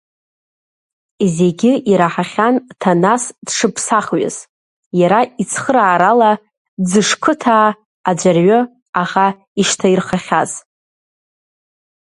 Зегьы ираҳахьан Ҭанас дшыԥсахҩыз, иара ицхыраарала Ӡышқыҭаа аӡәырҩы аӷа ишҭаирхахьаз.